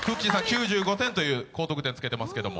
９５点という高得点をつけていますけど。